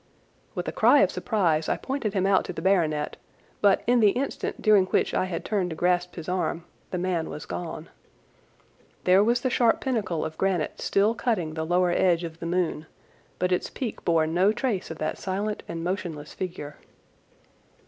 With a cry of surprise I pointed him out to the baronet, but in the instant during which I had turned to grasp his arm the man was gone. There was the sharp pinnacle of granite still cutting the lower edge of the moon, but its peak bore no trace of that silent and motionless figure.